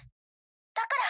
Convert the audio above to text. だから。